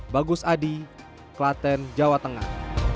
bagus adi klaten jawa tengah